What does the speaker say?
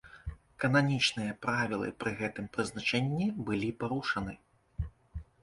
Кананічныя правілы пры гэтым прызначэнні былі парушаны.